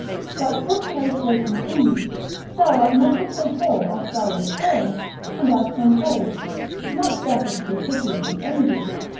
But put case they continue; thou art not so poor as thou wast born, and as some hold, much better to be pitied than envied.